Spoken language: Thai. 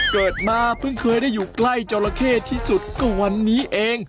เกิดมาเพิ่งเคยได้อยู่ใกล้จราเข้ที่สุดก็วันนี้เอง